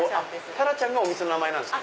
たらちゃんがお店の名前ですか？